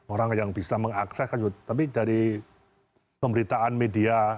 orang yang bisa mengakses tapi dari pemberitaan media